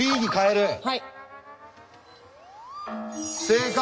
正解！